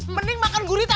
mending makan gurita